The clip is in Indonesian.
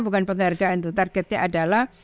bukan penghargaan itu targetnya adalah